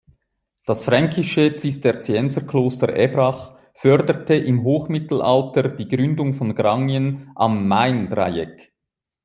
Das fränkische Zisterzienserkloster Ebrach förderte im Hochmittelalter die Gründung von Grangien am Maindreieck.